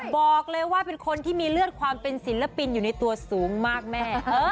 บอกเลยว่าเป็นคนที่มีเลือดความเป็นศิลปินอยู่ในตัวสูงมากแม่